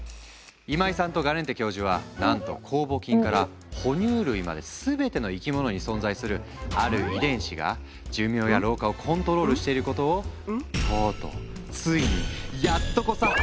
今井さんとガレンテ教授はなんと酵母菌から哺乳類まで全ての生き物に存在するある遺伝子が寿命や老化をコントロールしていることをとうとうついにやっとこさ発見したんだ。